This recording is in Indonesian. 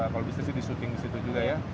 kalau bisnis sih di shooting di situ juga ya